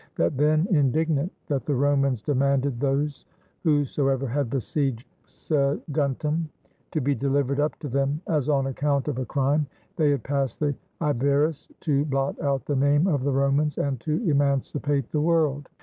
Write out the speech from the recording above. That then, indignant that the Romans demanded those, whosoever had besieged Saguntum, to be delivered up to them, as on account of a crime, they had passed the Iberus to blot out the name of the Romans, and to emancipate the world.